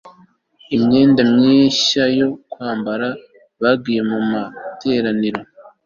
imyenda mishya yo kwambara bagiye mu materaniro